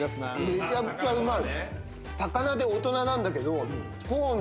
めちゃくちゃうまい。